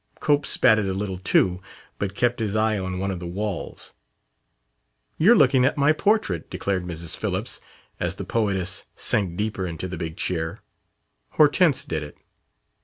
Cope spatted a little too, but kept his eye on one of the walls. "You're looking at my portrait!" declared Mrs. Phillips, as the poetess sank deeper into the big chair. "Hortense did it."